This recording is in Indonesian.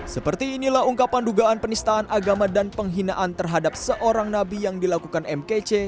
seperti inilah ungkapan dugaan penistaan agama dan penghinaan terhadap seorang nabi yang dilakukan mkc